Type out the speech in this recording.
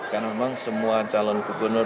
karena memang semua calon gubernur